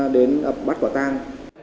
đến bắt quả tang